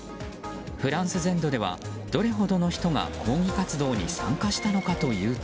フランス全土ではどれほどの人が抗議活動に参加したのかというと。